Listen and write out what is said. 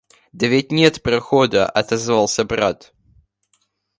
— Да ведь нет прохода, — отозвался брат.